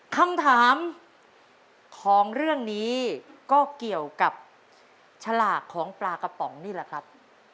คำถามของเรื่องนี้ก็เกี่ยวกับฉลากของปลากระป๋องนี่แหละครับ